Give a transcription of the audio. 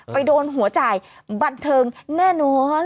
ไปโดนหัวจ่ายบันเทิงแน่นอน